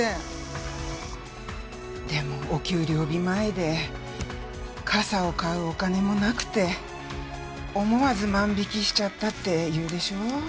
でもお給料日前で傘を買うお金もなくて思わず万引きしちゃったって言うでしょ？